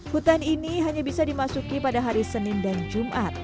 hutan ini hanya bisa dimasuki pada hari senin dan jumat